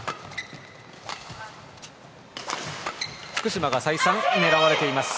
福島が再三、狙われています。